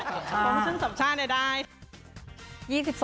โปรงชึ้งสมชาติน่ะได้